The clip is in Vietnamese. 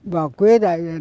và quế đại diện